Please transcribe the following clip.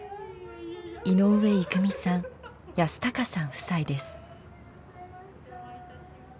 井上郁美さん保孝さん夫妻です。